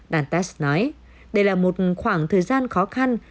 dantas nói đây là một khoảng thời gian khó khăn